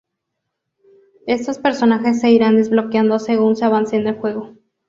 Estos personajes se irán desbloqueando según se avance en el juego.